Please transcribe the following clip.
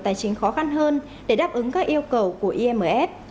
tài chính khó khăn hơn để đáp ứng các yêu cầu của imf